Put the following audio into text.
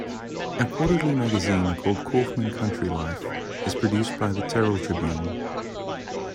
A quarterly magazine called "Kaufman County Life" is produced by the "Terrell Tribune".